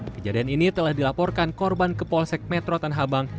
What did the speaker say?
kejadian ini telah dilaporkan korban ke polsek metro tanahabang